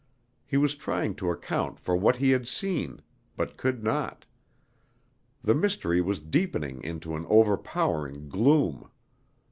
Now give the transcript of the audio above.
He was trying to account for what he had seen, but could not. The mystery was deepening into an overpowering gloom.